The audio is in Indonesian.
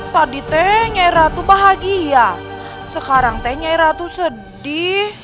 tadi teh nyai ratu bahagia sekarang teh nyai ratu sedih